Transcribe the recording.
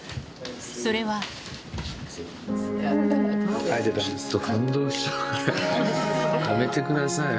それはやめてくださいよ